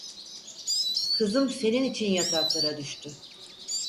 Kızım senin için yataklara düştü.